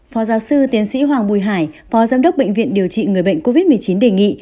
phó giáo sư tiến sĩ hoàng bùi hải phó giám đốc bệnh viện điều trị người bệnh covid một mươi chín đề nghị